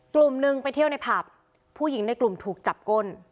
กลุ่มหนึ่งไปเที่ยวในผับผู้หญิงในกลุ่มถูกจับก้น